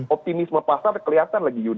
optimisme pasar kelihatan lagi